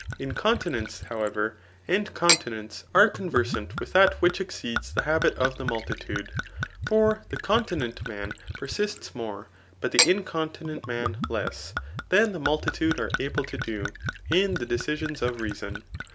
Incontinence, however, and continence, are conversant with that which exceeds the habit of the multitpde ; for the continent man persists more, but the incontinent man less, than the multitude are able to do, [In the decisions of reason.